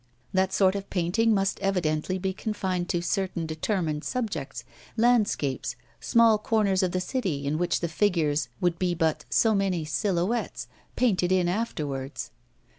That sort of painting must evidently be confined to certain determined subjects, landscapes, small corners of the city, in which the figures would be but so many silhouettes, painted in afterwards.